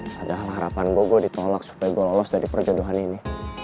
padahal harapan bobo ditolak supaya gue lolos dari perjodohan ini